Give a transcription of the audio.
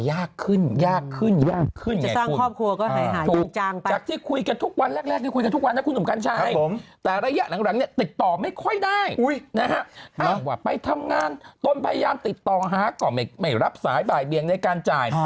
อ้าวว่าไปทำงานต้นพยายามติดต่อหาก่อไม่รับสายบ่ายเบียงในการจ่าย